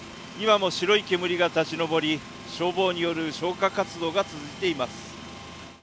今も白い煙が立ち上り消防による消火活動が続いています。